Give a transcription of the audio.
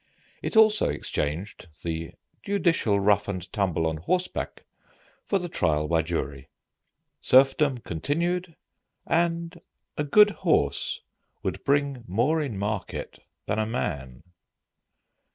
It also exchanged the judicial rough and tumble on horseback for the trial by jury. Serfdom continued, and a good horse would bring more in market than a man.